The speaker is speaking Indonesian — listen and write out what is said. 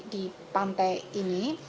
di pantai ini